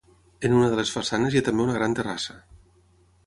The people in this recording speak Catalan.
En una de les façanes hi ha també una gran terrassa.